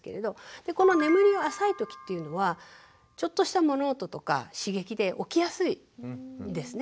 でこの眠りが浅いときっていうのはちょっとした物音とか刺激で起きやすいんですね。